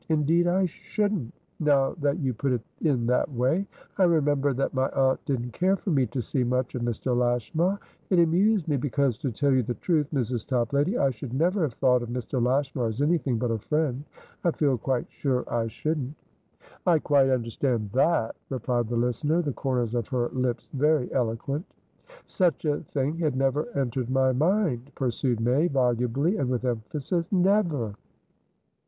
Indeed, I shouldn't! Now that you put it in that way. I remember that my aunt didn't care for me to see much of Mr. Lashmar. It amused me, because, to tell you the truth, Mrs. Toplady, I should never have thought of Mr. Lashmar as anything but a friend. I feel quite sure I shouldn't." "I quite understand that," replied the listener, the corners of her lips very eloquent. "Such a thing had never entered my mind," pursued May, volubly and with emphasis. "Never!"